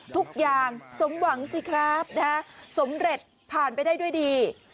ทุกอย่างสมหวังสิครับนะฮะสำเร็จผ่านไปได้ด้วยดี